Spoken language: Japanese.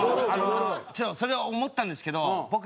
それは思ったんですけど僕。